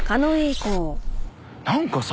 何かさ